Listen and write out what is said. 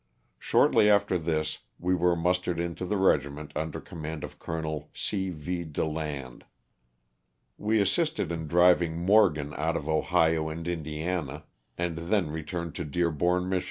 Shortly after this we were mustered into the regiment under command of Col. C. V. DeLand. We assisted in driving Morgan out of Ohio and In diana, and then returned to Dearborn, Mich.